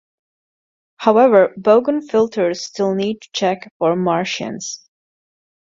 However bogon filters still need to check for Martians.